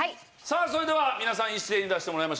さあそれでは皆さん一斉に出してもらいましょう。